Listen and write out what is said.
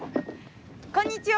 こんにちは。